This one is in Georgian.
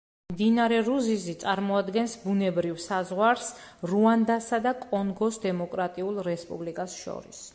მდინარე რუზიზი წარმოადგენს ბუნებრივ საზღვარს რუანდასა და კონგოს დემოკრატიულ რესპუბლიკას შორის.